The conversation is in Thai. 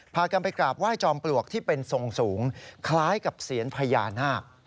พากันไปกราบไห้จอมปลวกที่เป็นทรงสูงคล้ายกับเซียนพญานาค